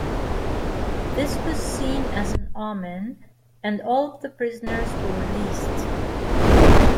This was seen as an omen and all the prisoners were released.